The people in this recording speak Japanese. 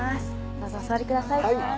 どうぞお座りください